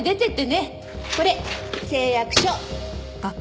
これ誓約書。